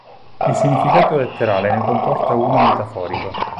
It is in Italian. Il significato letterale ne comporta uno metaforico.